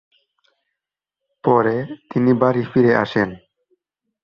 পরে, তিনি বাড়ি ফিরে আসেন।